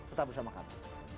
tetap bersama kami